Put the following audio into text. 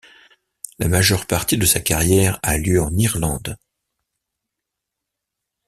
La majeure partie de sa carrière a lieu en Irlande.